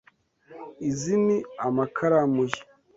Izi ni amakaramu ye.